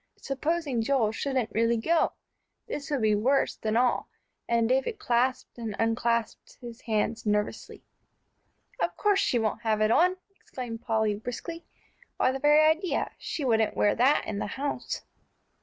Supposing Joel shouldn't really go! This would be worse than all, and David clasped and unclasped his hands nervously. "Of course she won't have it on!" exclaimed Polly, briskly. "Why, the very idea, she wouldn't wear that in the house!"